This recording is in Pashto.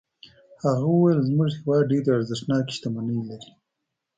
هغه وویل زموږ هېواد ډېرې ارزښتناکې شتمنۍ لري.